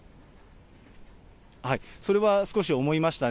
それは少し思いましたね。